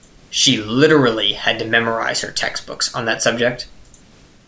She literally had to memorize her textbooks on that subject.